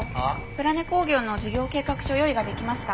プラネ工業の事業計画書用意が出来ました。